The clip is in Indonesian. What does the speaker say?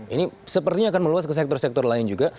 ini sepertinya akan meluas ke sektor sektor lain juga